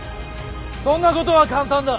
そんなことは簡単だ。